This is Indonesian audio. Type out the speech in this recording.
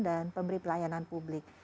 dan pemberi pelayanan publik